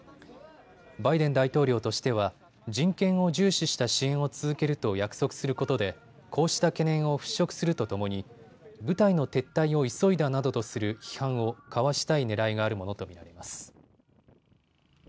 バイデン大統領としては人権を重視した支援を続けると約束することでこうした懸念を払拭するとともに部隊の撤退を急いだなどとする批判をかわしたいねらいがあるものと見られます。